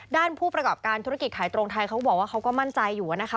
ผู้ประกอบการธุรกิจขายตรงไทยเขาก็บอกว่าเขาก็มั่นใจอยู่นะคะ